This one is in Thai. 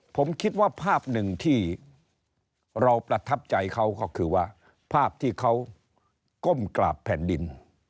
ผมคิดว่าภาพหนึ่งที่เราประทับใจเขาก็คือว่าภาพที่เขาก้มกราบแผ่นดิน